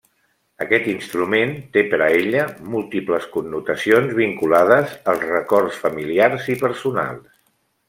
Aquest instrument té per a ella múltiples connotacions vinculades als records familiars i personals.